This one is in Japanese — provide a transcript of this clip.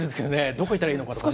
どこ行ったらいいのかとかね。